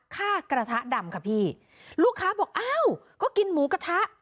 กระทะดำค่ะพี่ลูกค้าบอกอ้าวก็กินหมูกระทะ